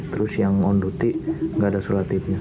terus yang on duty gak ada solatipnya